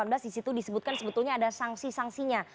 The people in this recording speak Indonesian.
di situ disebutkan sebetulnya ada sanksi sanksinya